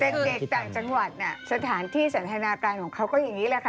เป็นเด็กต่างจังหวัดสถานที่สันทนาการของเขาก็อย่างนี้แหละค่ะ